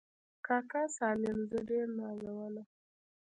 کاکا سالم زه ډېر نازولم.